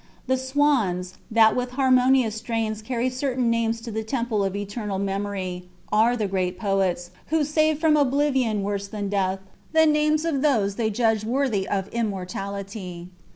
"The swans, that with harmonious strains carry certain names to the temple of Eternal Memory, are the great poets, who save from oblivion worse than death the names of those they judge worthy of immortality.